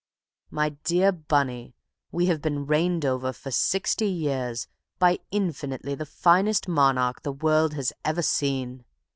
"My dear Bunny, we have been reigned over for sixty years by infinitely the finest monarch the world has ever seen.